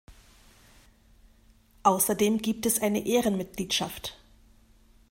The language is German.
Außerdem gibt es eine Ehrenmitgliedschaft.